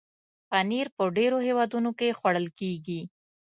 پنېر په ډېرو هېوادونو کې خوړل کېږي.